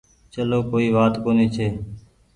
چلو ڪوئي وآت ڪونيٚ ڇي۔